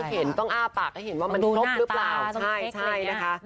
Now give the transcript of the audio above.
เห็นต้องอ้าปากให้เห็นว่ามันครบหรือเปล่าใช่ใช่นะคะ